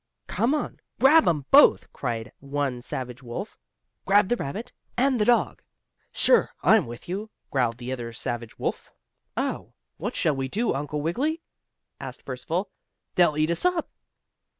"Come on! Grab 'em both!" cried one savage wolf. "Grab the rabbit and the dog!" "Sure! I'm with you!" growled the other savage wolf. "Oh, what shall we do, Uncle Wiggily?" asked Percival. "They'll eat us up!